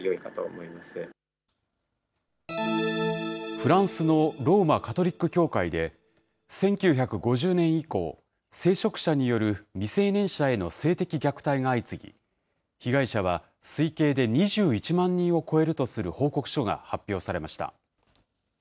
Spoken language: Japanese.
フランスのローマ・カトリック教会で、１９５０年以降、聖職者による未成年者への性的虐待が相次ぎ、被害者は推計で２１万人を超えるとする報告書が発表されました。